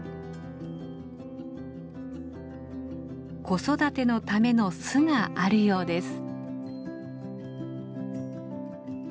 子育てのための巣があるようです。